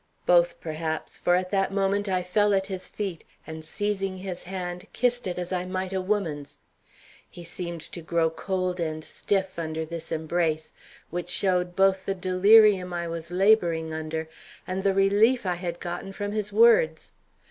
Both, perhaps, for at that moment I fell at his feet, and seizing his hand, kissed it as I might a woman's. He seemed to grow cold and stiff under this embrace, which showed both the delirium I was laboring under and the relief I had gotten from his words.